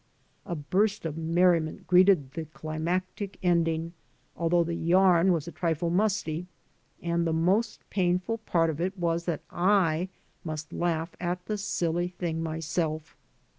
" A burst of merriment greeted the climactic ending, al though the yam was a trifle musty; and the most painful part of it was that I must laugh at the silly thing myself.